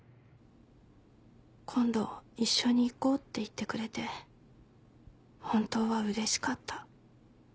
「今度一緒に行こうっていってくれて本当は嬉しかった。